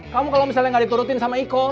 kamu kalau misalnya nggak diturutin sama iko